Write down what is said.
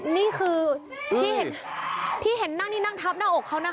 นี่คือที่เห็นนั่งนี่นั่งทับหน้าอกเขานะคะ